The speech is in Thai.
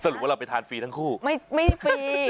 รุปว่าเราไปทานฟรีทั้งคู่ไม่ฟรี